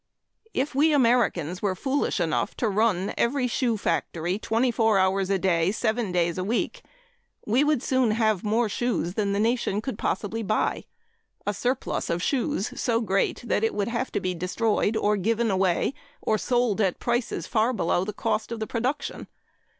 If we Americans were foolish enough to run every shoe factory twenty four hours a day, seven days a week, we would soon have more shoes than the nation could possibly buy a surplus of shoes so great that it would have to be destroyed, or given away, or sold at prices far below the cost of production.